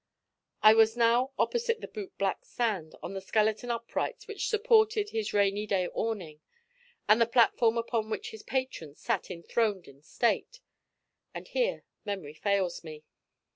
I was now opposite the bootblack's stand on the skeleton uprights which supported his rainy day awning, and the platform upon which his patrons sat enthroned in state and here memory fails me.